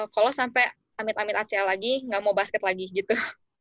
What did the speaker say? kalo sampe comeback comeback acl lagi gak mau basket lagi gitu